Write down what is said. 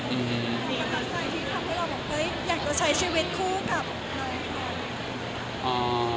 มีคำสั่งที่ทำให้เราบอกเฮ้ยอยากจะใช้ชีวิตคู่กับนายค่ะ